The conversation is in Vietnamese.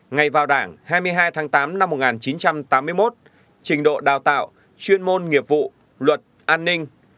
ngày vào đảng hai mươi hai tháng tám năm một nghìn chín trăm tám mươi một trình độ đào tạo chuyên môn nghiệp vụ luật an ninh